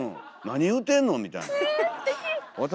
「何言うてんの」みたいな。